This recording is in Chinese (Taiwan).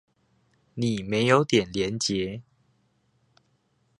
你沒有點連結